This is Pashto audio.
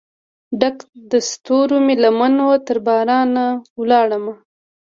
ډکه دستورومې لمن وه ترباران ولاړ مه